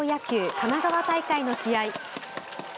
神奈川大会の試合。